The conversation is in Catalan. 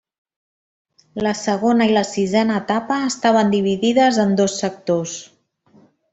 La segona i la sisena etapa estaven dividides en dos sectors.